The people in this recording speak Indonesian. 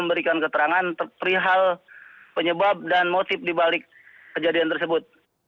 memberikan keterangan terperihal penyebab dan motif dibalik kejadian tersebut